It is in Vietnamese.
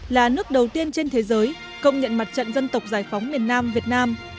là nước đầu tiên trên thế giới công nhận mặt trận dân tộc giải phóng miền nam việt nam